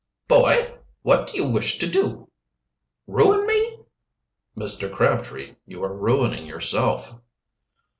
"Boy, what do you wish to do ruin me?" "Mr. Crabtree, you are ruining yourself."